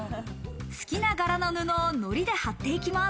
好きながらの布をのりで貼っていきます。